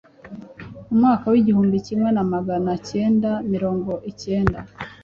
umwaka w’igiumbi kimwe magana kenda mirongo ikenda